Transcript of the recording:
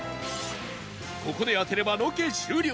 ここで当てればロケ終了